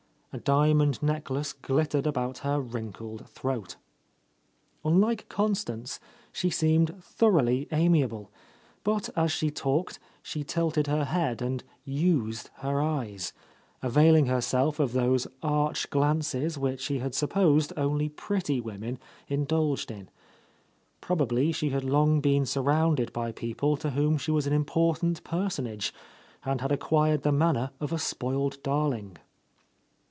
A diamond necklace glittered about her wrinkled throat. Unlike Constance, she seemed thoroughly amiable, but as she talked she tilted her head and "used" her eyes, availing r— 44— A Lost Lady herself of those arch glances which he had sup posed only pretty women indulged in. Probably she had long been surrounded by people to whom she was an important personage, and had ac quired the manner of a spoiled darling.